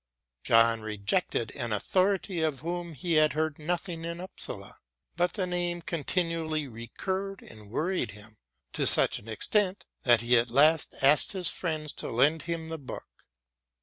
John rejected an authority of whom he had heard nothing in Upsala. But the name continually recurred and worried him to such an extent that he at last asked his friends to lend him the book.